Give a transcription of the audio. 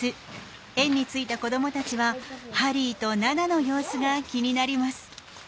園に着いた子どもたちははりーとななの様子が気になります。